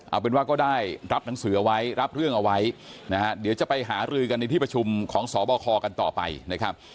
เอาเป็นว่าก็ได้รับหนังสือเอาไว้รับเรื่องเอาไว้นะฮะเดี๋ยวจะไปหารือกันในที่ประชุมของสบคกันต่อไปนะครับ